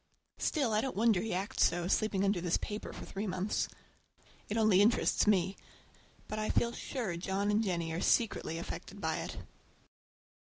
Still, I don't wonder he acts so, sleeping under this paper for three months. It only interests me, but I feel sure John and Jennie are secretly affected by it.